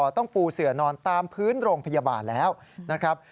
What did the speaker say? ต้องปูเสือนอนตามพื้นโรงพยาบาลแล้วนะครับ